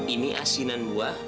ini asinan buah